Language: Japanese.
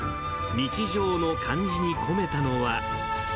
日常の漢字に込めたのは。